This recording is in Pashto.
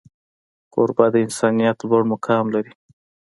کوربه د انسانیت لوړ مقام لري.